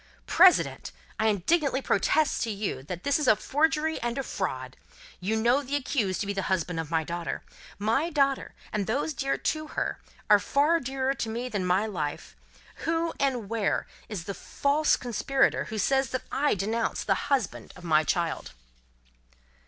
"President, I indignantly protest to you that this is a forgery and a fraud. You know the accused to be the husband of my daughter. My daughter, and those dear to her, are far dearer to me than my life. Who and where is the false conspirator who says that I denounce the husband of my child!"